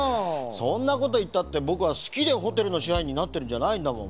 そんなこといったってぼくはすきでホテルのしはいにんになってるんじゃないんだもん。